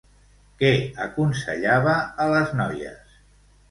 Què aconsellava a les noies?